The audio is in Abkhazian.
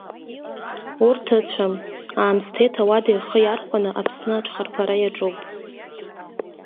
Урҭ ыцәам, аамысҭеи ҭауади рхы иархәаны Аԥсны аҽахарԥара иаҿуп.